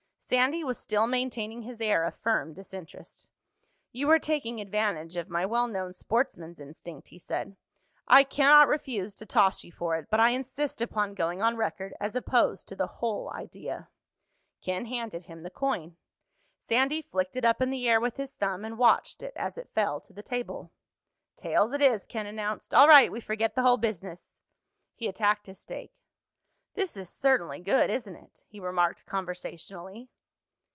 Sandy was still maintaining his air of firm disinterest. "You are taking advantage of my well known sportsman's instinct," he said. "I cannot refuse to toss you for it, but I insist upon going on record as opposed to the whole idea." Ken handed him the coin. Sandy flicked it up in the air with his thumb and watched it as it fell to the table. "Tails it is," Ken announced. "All right, we forget the whole business." He attacked his steak. "This is certainly good, isn't it?" he remarked conversationally.